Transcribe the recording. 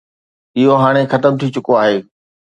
اهو هاڻي ختم ٿي چڪو آهي.